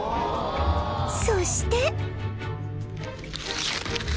そして